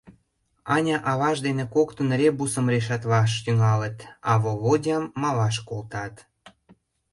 Аня аваж дене коктын ребусым решатлаш тӱҥалыт, а Володям малаш колтат.